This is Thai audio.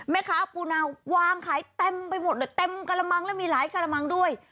ปูนาวางขายเต็มไปหมดเลยเต็มกระมังแล้วมีหลายกระมังด้วย